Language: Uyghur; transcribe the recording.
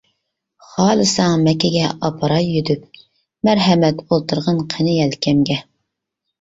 خالىساڭ مەككىگە ئاپىراي يۈدۈپ، مەرھەمەت ئولتۇرغىن قېنى يەلكەمگە.